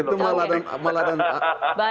itu malah administrasi namanya